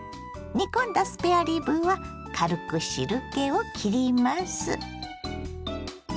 煮込んだスペアリブは軽く汁けをきります。